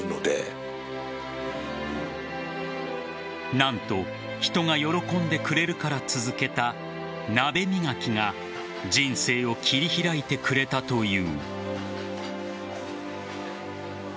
何と人が喜んでくれるから続けた鍋磨きが人生を切り開いてくれたという。